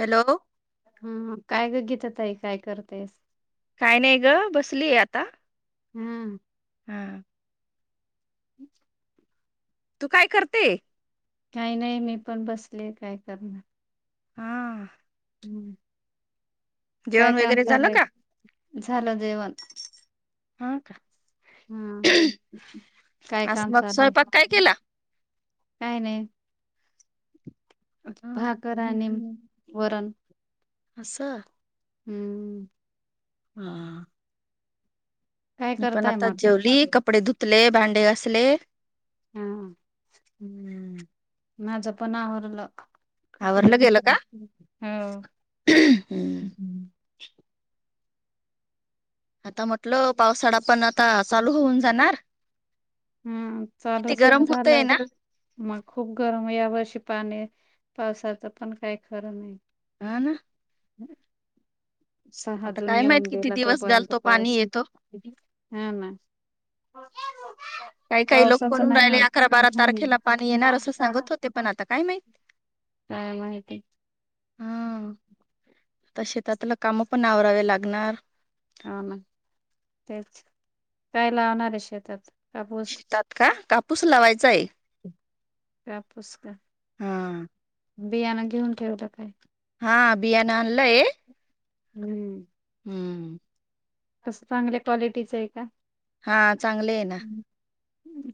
Hello. हा काय ग घेत तई काय करतेयस. काय नाही ग बसलीय आता हम्म. हा. हम्. तू काय करते. काही नाही मी पण बसले काय करण. हा. हम्म काय जेवण काम वगैरे झालं चालय, का झालं जवण. हा, का. हम्म काय आज काम मग चालुये? स्वयंपाक काय केला काय नाही. हा. भाकर आणि वरण. अस. हम्म. हा. काय मी पण करताय आता म्हटलं जेवली कपडे धु धुतले भांडे घसले. हा माझं पण आवरलं. आवरलं गेलं का [unintelligible] हो. हम्म आता म्हटलं पावसाळा पण आता चालू होऊन जाणार. हम्म, किती चालूच गरम होतय झालाय. ना मग खूप गरम या वर्षी पाणी पावसाच पण काय खरं नाही. हाना. सहा आता जून काय येऊन माहित किती गेला दिवस तोपर्यंत घालतो पाणी पाऊस येतो हाना. काही, सळकाही लोक बोलून राहिले अकरा बारा तारखेला पाणी येणार असं सांगत होते पण आता काय माहित. काय माहिती. हम्म, तसे शेतातले काम पण आवरावे लागणार. हा ना तेच काय लावणार आहे शेतात? कापूस शेतात का कापूस लावायचाय. कापूस का. हां. बियाणं घेऊन ठेवलं काय? हा बियाना आणलंय. हम्म. हम्म. कसं चांगल्या क्वालिटीचं आहे का? हा चांगल आहे ना.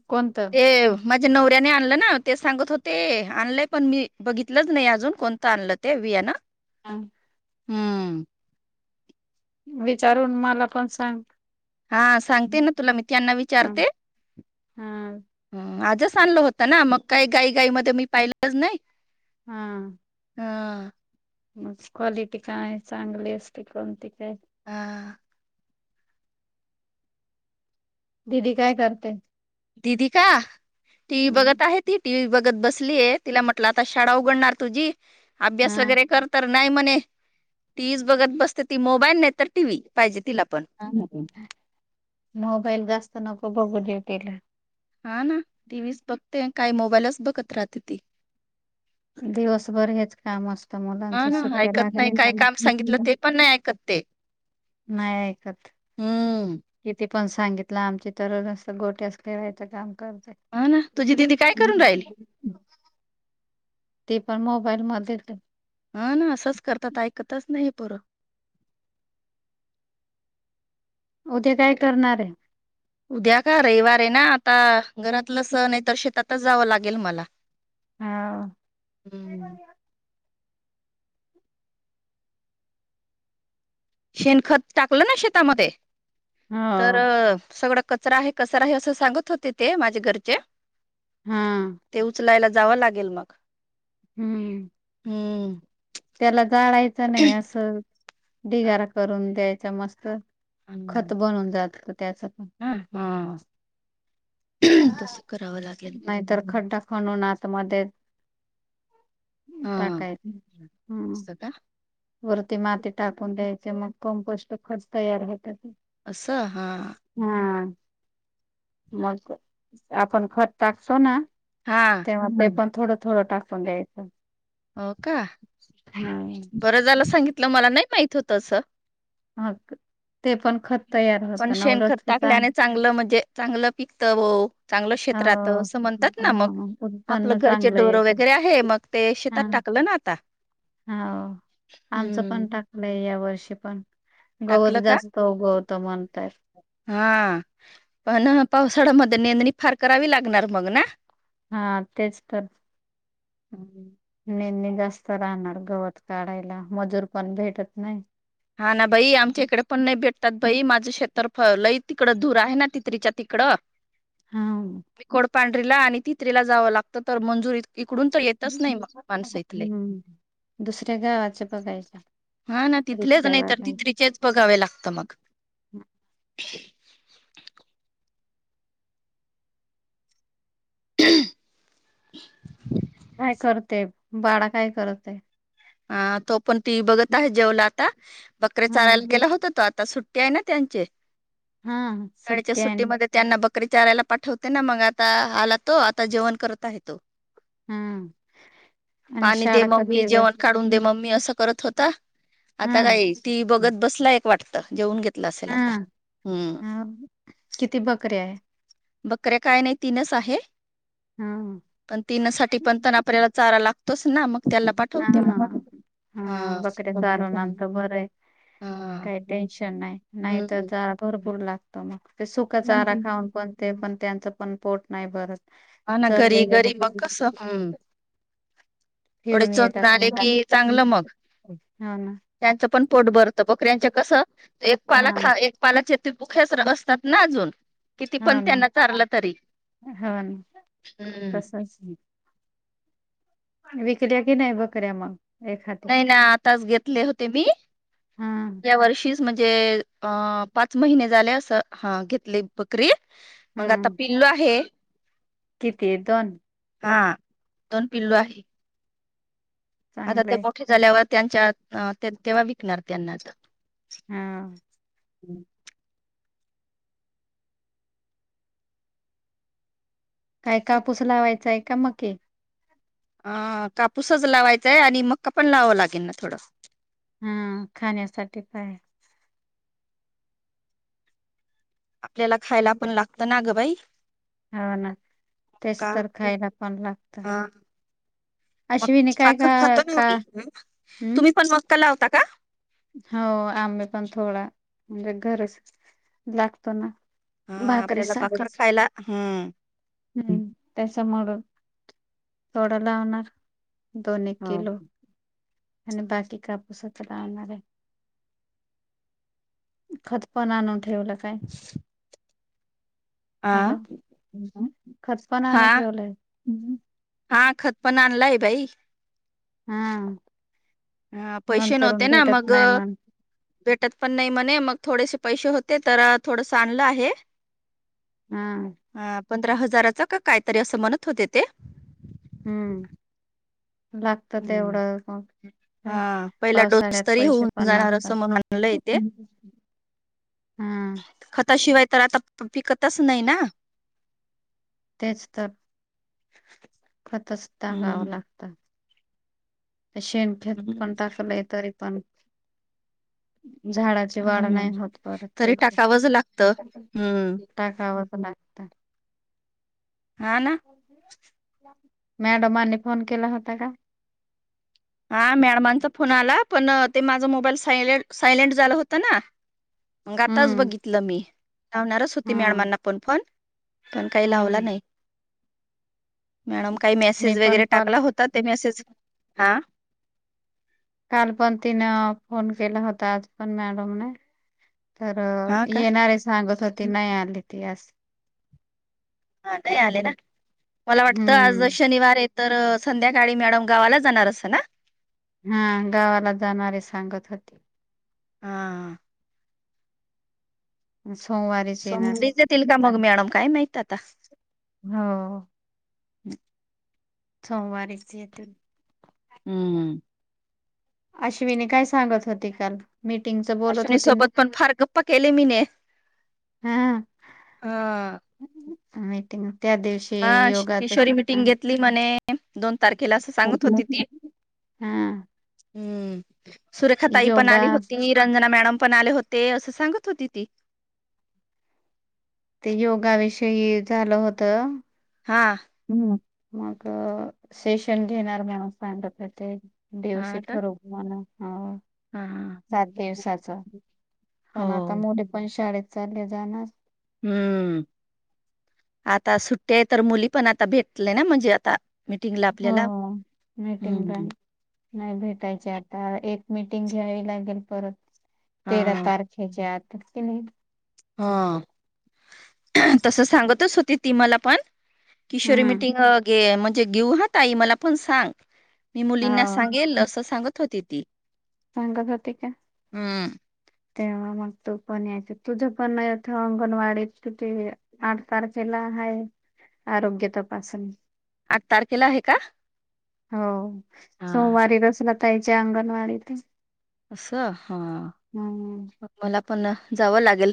कोणत? ते माझ्या नवऱ्याने आणलं ना ते सांगत होते आणलंय पण मी बघितलंच नाही अजून कोणतं आणलं. ते बियान. हम्म. हम्म. विचारून मला पण सांग. हा सांगते ना तुला मी त्यांना ह विचारते. हा हम्म, आजच आणलं होतना मग काही घाई, घाई मध्ये मी पाहिलंच नाही. हम्म. हा.. क्वालिटी काय चांगली असते कोणती काय. हां. दीदी काय करते? दीदी का टी, व्ही बघत आहेत. ती टी, व्ही बघत बसलीय तिला म्हटलं आता शाळा उघडणार तुझी अभ्यास ह वगैरे कर तर नाही म्हणे टीव्हीच बघत बसते ती मोबाईल नाही तर टीव्ही पाहिजे तिला पण. हा ना पण मोबाईल जास्त नको बघू देऊ तिला. हा ना टी व्ही च बघते काय मोबाईलच बघत राहते ती. दिवसभर हेच काम आता हा मुलांच्या ना सुट्ट्या ऐकत नाही लागल्या का काय काम सांगितलं ते म? पण नाही ऐकत ते नाही ऐकत. हम्म. किती पण सांगितलं आमची तर अस गोट्याच खेळायचं काम करते. हा ना तुझी दिदी काय करून राहीली? ते पण मोबाईलमध्ये आहे. हा ना असंच करतात ऐकतच नाही ही पोरं उद्या काय करणार आहे? उद्या का रविवार आहे ना आता घरातलं सण आहे तर शेतातच जावं लागेल मला. हा. हम्म. शेणखत टाकलं ना शेतामध्ये तर हो सगळं कचरा आहे कचरा आहे असं सांगत होते ते माझे घरचे. हा. ते उचलायला जावं लागेल मग हम्म. हम्म. त्याला जाळायचं नाही असं ढिगारा करून द्यायचा मस्त हम्म. खत बनून जात का त्याच पण. हा. हा. तस करावं लागेल. नाही तर खड्डा खणून आत मध्ये हा टाकायच हम्म. असं का वरती माती टाकून द्यायचे मग कंपोस्ट खत तयार होत. असं हा. हा मग आपण खत टाकतो ना हा. तेव्हा ते पण थोडं थोडं टाकून घ्यायचं. हो का. बर झाल सांगितलं मला नाही माहित होत अस ह ते पण खत तयार पण होतं शेणखत [unintelligible] टाकल्याने चांगलं म्हणजे चांगलं पिकतं ओ चांगलं हो शेत राहतं असं म्हणतात ना मग. हा, आपलं उत्पन्न घरचे चांगलं ढोर येत वगैरे आहे मग ते शेतात टाकलं ना ता हा आमचं पण टाक लय या वर्षी पण टाकलं गवत का जास्त उगवत म्हणताहेत. हा पण पावसाळ्यामध्ये नेंदणी फार करावी लागणार मग ना? हा तेच तर. [inaudible] नेंदणी जास्त राहणार गवत काढायला, मजूर पण भेटत नाही. हा ना बाई आमच्या इकडे पण नाही भेटत बाई माझं शेतावर लई तिकडं धूर आहे ना तितरीच्या तिकडं हा [unintelligible] पांढरीला आणि तितरीला जावं लागतं तर मंजुरीत इकडून तर येतच नाही मग माणस इथले हम्म दुसऱ्या गावाच बघायच [unintelligible] [unintelligible] तितारीचेच बघावे लागत मग [unintelligible] काय करते बाळं काय करते? अह तो पण टी व्हि बघत आहे जेवला आता बकरे हा चारायला गेला होता तो आता ता सुट्टी आहे ना त्यांचे हा शाळेच्या सत्य आणि सुट्टीमध्ये त्यांना बकरी चारायला पाठवते ना मंग आता आला तो आता जेवण करत आहे तो हम्म आणि शाळा [unintelligible] करून दे मम्मी असं करत होता, आता हा काय टी. व्ही बघत बसला एक वाटत जेवून घेत हा हा किती बकरी आहे? बकऱ्या काय नाही तीनच आहे. हा. पण तीनसाठी पण तण आपल्याला चारा लागतोच ना मग त्याला पा हा, हा, हा. हा बकरी हा दारून आणतो बरं आहे, काही टेन्शन नाही नाही तर हम्म चारा भरपूर लागत म ते सुका चारा खाऊन पण ते पण त्यांचं पण पोट नाही भरत. हा ना घरी घरी मग चरलेल्या कसं हू थोडे फिरून चरुन येतात आले मग. की चांगलं मगं. हो ना त्यांचं पण पोट भरत बकऱ्यांच कसं एक पाला हा खा एक पालाच हे तो [unintelligible] बसतात ना अजून किती हो पण ना त्यांना चारलं तरी हो ना हम्म तसचं विकल्या कि नाही बकऱ्या मग एखा नाही आताच घेतले होते मी, हा या वर्षी म्हणजे अ पाच महिने झालं आस हा घेतले बकरी हा मांग आता पि ल्लू आहे. किती आहे दोन? हा दोन पिल्लू आहे. आता ते चांगलंय मोठे झाल्यावर त्यांच्या तेव्हा विकणार त्यांना आ हा. काय कापूस लावायचा हाय का मक्के? अ कापूसच लावायचाय आणि मक्का पण लावा लागेन ना थोडं. हा खाण्यासाठी काय? आपल्याला खायला पण लागत ना गं बाई. हाव ना तेच का तर खायला पण लागतं. मक्काची का भाखण [unintelligible] का होती हम्म तुम्ही पण मक्का लावता का? हो आम्ही पण थोडा म्हणजे घरस लागतो ना. हा आपल्याला भाकरीसाठी भाकर खायला हम्म. हम्म त्याच्यामूळ थोड लावणार. दोन एक किलो आणि बाकी कापूसत लावणार आहे. खत पण आणून ठेवलं काय? आ हॅलो! खत पण हा आणून ठेवलय. हा खत पण आणलाय बाई. हा. हा पैसे नंतरून नव्हते ना भेटत नाही मगं मग भेटत पण नाही म्हणे, मग थोडेसे पैसे होते तर थोडस आणलं आहे. हा. हां पंधरा हजाराचा का काय तरी असं म्हणत होते ते. हम्म लागत हम्म तेवढं हं. हा पहिला डोस तरी होऊन पण जाणार नसतात असं म्हणून आणलय तेे. हा खताशिवाय तर आता पिकतच नाही ना? तेच तर खतच टाकावं हम्म लागत. शेणखेत पण हम्म टाकलय तरी पण झाडा ची वाढ हा नाही होत परत तरी टाकावंच लागतं हम्म [unintelligible] टाकावच लागतं. हा ना. मॅडमांनी फोन केला होता का? हा मॅडमांचा फोन आला, पण ते माझा मोबाईल सायले सायलेंट झालं होत ना मंग आताच हम्म बघितलं मी लावणारच होती हम्म मॅडमाना पण फोन पण काय लावला हम्म नाही. मॅडम काही मी मेसेज पण वगैरे कॉल टाकला होता ते मेसेज हा. काल पण तिनं फोन केला होता आज पण मॅडमने. तर हा का येणारे सांगत होती नाही आली ती अस. आले ना मला वाटत आज हम्म शनिवार य तर संध्याकाळी मॅडम गावाला जाणार अस ना हा गावाला जाणारी सांगत होती. हा सोमवारी समी येतील का मग मॅडम काय माहत आता हा सोमवारीचे येत. हम्म हम्म अश्विनी काय सांगत होते काल. मीटिंग स अश्विनी सोबत पण फार गप्पा केले मी ने अ [unintelligible] न त्या्या दिवशी हा योगाच किशोरी हा मिटिंग घेतली म्हणे दोन तारखेला अस सांगत होती ती हा, हम्म सुरेखा ताई पण योगा आली होती रंजना मॅडम पण आले होते अस सांगत होती ती. ते योगाविषयी झाल होत. हा हम् मग सेशन घेणार म्हणून सांगत होते. हा का [unintelligible] हा सात दिवसाच पण आता हो मुली पण शाळेत चालली जाणार हम्म आता सुट्टे तर मुली पण आता भेटले ना म्हणजे आता मिटिंगला हो आपल्याला. हो मीटिंग रा हम्म. नाही भेटायची आता एक मिटिंग घ्यावी लागेल परत तेरा हा तारख खे च्या आत की नाही ह तस सांगतच होती ती मला पण किशोरी हम्म मिटिंग गे म्हणजे गेऊ हा ताई मला पण सांग. मी मुलींना हो सांगेल अस सांगत होती ती सांगत होती का? हम्म तेव्हा मग तू पण यायचा तुझ पण थ अंगणवाडीत किती आठ तारखेला हाये आरोग्य तपासणी. आट तारखेला आहे का? हो हा सोमवारी रसला ताई च्या अंगणवाडीत ये. अस? हा हम्म मला पण जावं लागेल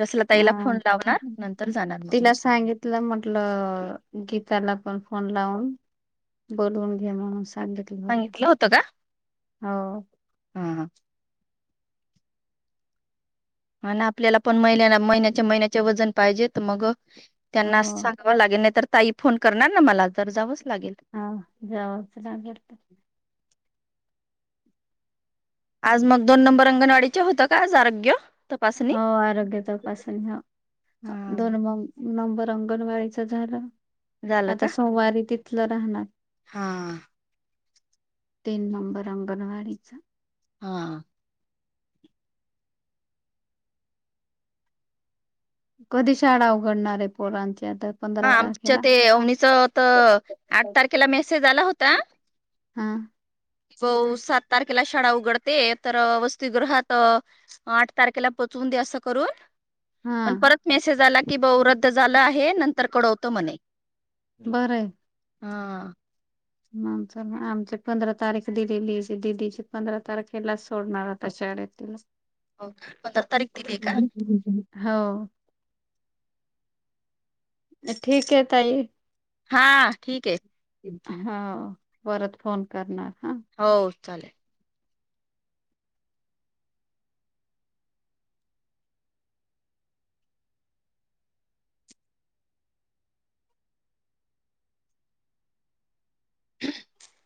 रसला ताईला हा. फोन लावणार नंतर जाणार मग मी तल म्हंटल गीताला पण फोन लावून बोलवून घे म्हणून सांगित गीतला होत का? ह ह आणि ना आपल्याला पण महिन महिन्याच्या महिन्याचे वजन पाहिजेत मग हो त्यांना अस सांगाव लागेल नइ तर ताई फोन करणार ना मला तर जावच लागेल. हा जावच का करत आज मग दोन नंबर अंगणवाडीचे होत का आज आरोग्य? तपासणी हो आरोग्या तपासून ह हा, दोन मग नंबर अंगणवाडीच झाल झालं आता का सोमवारी तिथल राहणार. हा तीन नंबर अंगणवाडीचा हा कधी शाळा उघडणार आहे पोरांची आता? हा पंधरा आमच्या तारखेला? ते अवणीच तर आठ तारखेला मेसेज आला होता हाम बउ सात तारखेला शाळा उघडते तर वस्तिगृहात आठ तारखेला पोचवून दया असं करून, हा पण परत मेसेज आला की बऊ रद्द झाला आहे नंतर कळवतो मणे. बरय हा आमच आमची पंधरा तारीख दिलेली दिदीची पंधरा तारखेलाच सोडणार आता शाळेत तिला हो पंधरा तारीख दिलीये का? हो. ठीक आहे तई. हा ठीक आहे. हा परत फोन करणार हा. हो चालेल. ह [unintelligible]